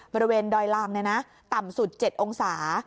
บริเวณดอยลางต่ำสุด๗องศา